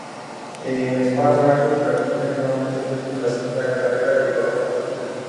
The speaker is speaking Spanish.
En Spa-Francorchamps repite nuevamente un triunfo en la segunda carrera y la vuelta rápida.